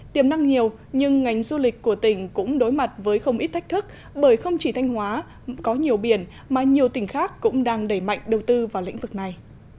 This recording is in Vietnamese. tiềm năng nhiều nhưng ngành du lịch của tỉnh cũng đối mặt với không ít thách thức bởi không chỉ thanh hóa có nhiều biển mà nhiều tỉnh khác cũng đang đẩy mạnh đầu tư vào lĩnh vực này